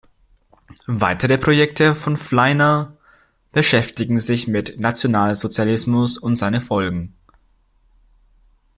Weitere Projekte von Fleiner beschäftigen sich mit Nationalsozialismus und seinen Folgen.